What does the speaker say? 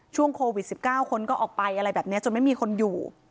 ช่วงโควิด๑๙คนก็ออกไปอะไรแบบนี้จนไม่มีคนอยู่